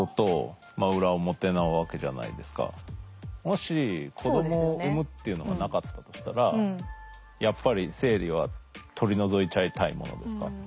もし子どもを産むっていうのがなかったらやっぱり生理は取り除いちゃいたいものですか？